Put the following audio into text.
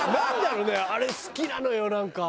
あれ好きなのよなんか。